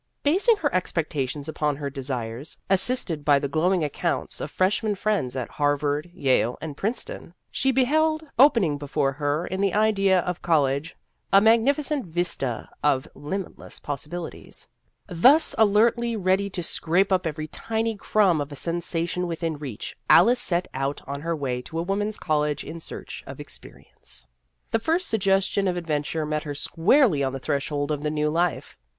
Basing her expectations upon her desires, assisted by the glowing accounts of freshmen friends at Harvard, Yale, and Princeton, she beheld opening before her in the idea of college a magnificent vista of limitless possibilities. Thus, alertly ready to scrape up every tiny crumb of a sensation within reach, Alice set out on In Search of Experience 3 her way to a woman's college in search of experience. The first suggestion of adventure met her squarely on the threshold of the new life.